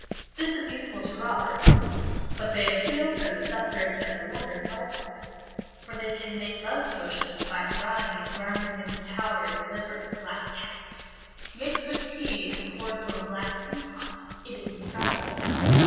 This is useful to robbers, but they appeal for the suffrage of the lovers likewise, for they can make love potions by drying and grinding into powder the liver of a black cat. Mixed with tea, and poured from a black teapot, it is infallible.